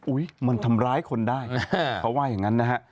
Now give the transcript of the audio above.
มันทำร้ายคนได้เขาว่าอย่างนั้นนะฮะ